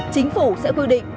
chính phủ sẽ quy định